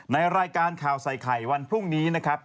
ในรายการข่าวใส่ไข่วันพรุ่งนี้นะครับ